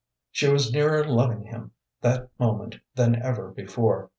She was nearer loving him that moment than ever before.